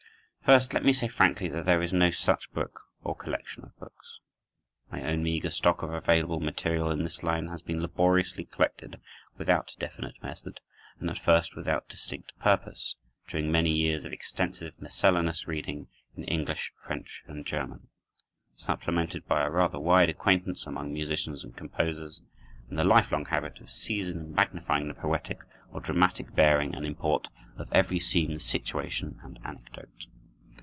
First, let me say frankly that there is no such book, or collection of books. My own meager stock of available material in this line has been laboriously collected, without definite method, and at first without distinct purpose, during many years of extensive miscellaneous reading in English, French, and German; supplemented by a rather wide acquaintance among musicians and composers, and the life long habit of seizing and magnifying the poetic or dramatic bearing and import of every scene, situation, and anecdote.